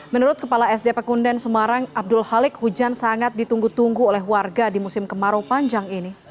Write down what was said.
menurut kepala sd pekunden semarang abdul halik hujan sangat ditunggu tunggu oleh warga di musim kemarau panjang ini